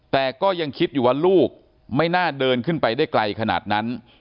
แต่ก็ยังคิดอยู่ว่าลูกไม่น่าเดินขึ้นไปได้ไกลขนาดนั้น